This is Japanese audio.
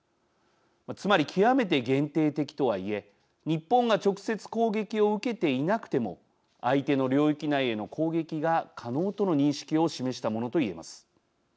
つまり極めて限定的とはいえ日本が直接攻撃を受けていなくても相手の領域内への攻撃が可能との認識を示したものと言えます。